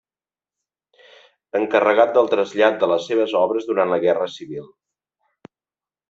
Encarregat del trasllat de les seves obres durant la Guerra Civil.